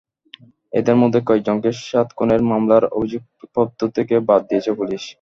এদের মধ্যে কয়েকজনকে সাত খুনের মামলার অভিযোগপত্র থেকে বাদ দিয়েছে পুলিশ।